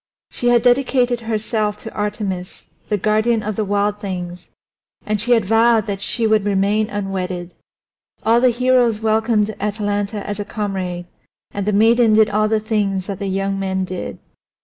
She had dedicated herself to Artemis, the guardian of the wild things, and she had vowed that she would remain unwedded. All the heroes welcomed Atalanta as a comrade, and the maiden did all the things that the young men did.